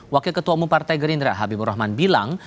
wakil ketua umum partai gerindra habibur rahman bilang